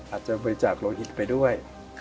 อาจจะไปจากโรหิตไปด้วย